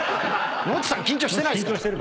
ノッチさん緊張してないですから。